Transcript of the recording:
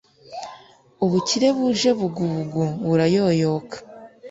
ubukire buje bugubugu burayoyoka